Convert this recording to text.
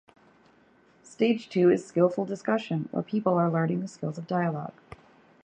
Stage two is "Skillful Discussion", where people are learning the skills of dialogue.